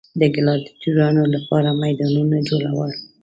د ګلاډیټورانو لپاره میدانونه جوړول.